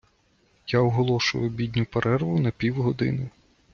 Я оголошую обідню перерву на півгодини!